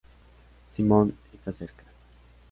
Simons, están cerca.